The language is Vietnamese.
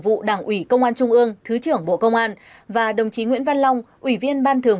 vụ đảng ủy công an trung ương thứ trưởng bộ công an và đồng chí nguyễn văn long ủy viên ban thường